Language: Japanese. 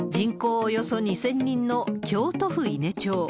およそ２０００人の京都府伊根町。